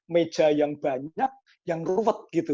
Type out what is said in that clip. meja yang banyak yang ruwet gitu